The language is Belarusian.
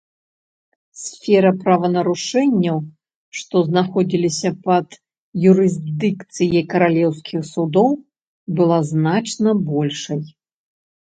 Сфера правапарушэнняў, што знаходзіліся пад юрысдыкцыяй каралеўскіх судоў, была значна большай.